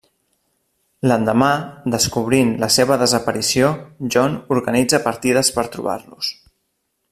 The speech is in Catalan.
L'endemà, descobrint la seva desaparició, John organitza partides per trobar-los.